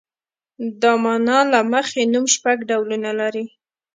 د مانا له مخې نوم شپږ ډولونه لري.